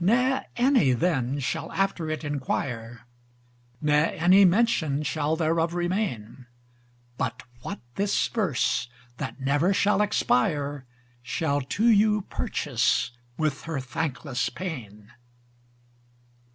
Ne any then shall after it inquire, Ne any mention shall thereof remain: But what this verse, that never shall expire, Shall to you purchase with her thankless pain.